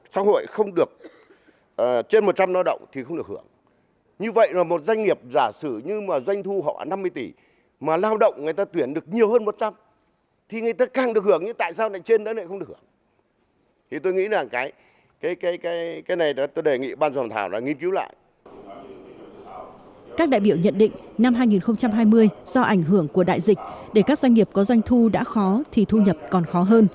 các đại biểu nhận định năm hai nghìn hai mươi do ảnh hưởng của đại dịch để các doanh nghiệp có doanh thu đã khó thì thu nhập còn khó hơn